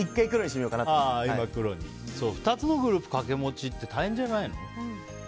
２つのグループ掛け持ちって大変じゃないの？